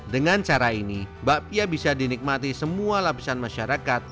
dengan cara ini bakpia bisa dinikmati semua lapisan masyarakat